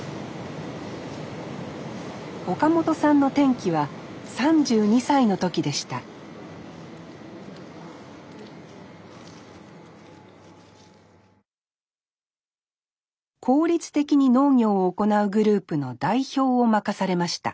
岡本さんの転機は３２歳の時でした効率的に農業を行うグループの代表を任されました。